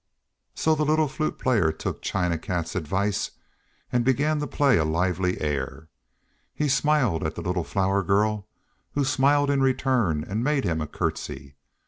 So the little Flute Player took China Cat's advice and began to play a lively air. He smiled at the little Flower Girl, who smiled in return and made him a curtsey.